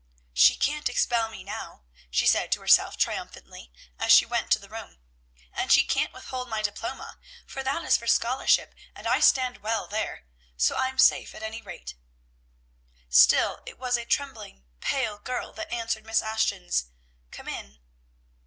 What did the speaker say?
"She can't expel me now," she said to herself triumphantly as she went to the room, "and she can't withhold my diploma, for that is for scholarship, and I stand well there, so I'm safe at any rate." Still it was a trembling, pale girl that answered Miss Ashton's "Come in."